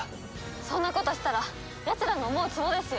そんなことしたらやつらの思うつぼですよ。